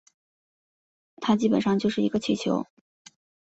它基本上就是一个气球